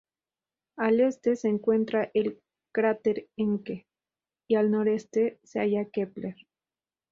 Al este se encuentra el cráter Encke, y al noreste se halla Kepler.